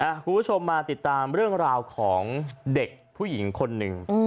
คุณผู้ชมมาติดตามเรื่องราวของเด็กผู้หญิงคนหนึ่ง